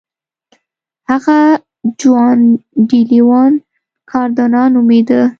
هغه جوان ډي لیون کاردونا نومېده.